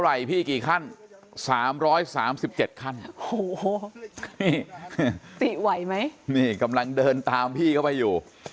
ไหล่พี่กี่ขั้น๓๓๗ขั้นโอ้โหนี่ติไหวไหมนี่กำลังเดินตามพี่เข้าไปอยู่